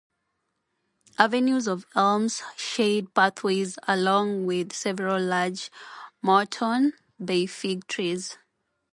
Avenues of elms shade pathways along with several large Moreton Bay Fig trees.